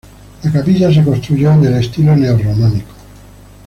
La capilla se construyó en el estilo neorrománico.